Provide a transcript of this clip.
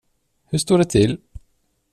Hur står det till?